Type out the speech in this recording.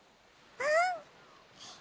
うん。